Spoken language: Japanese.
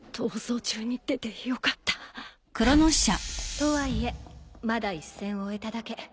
とはいえまだ１戦終えただけ。